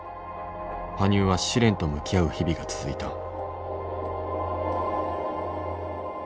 羽生は試練と向き合う日々が続いた。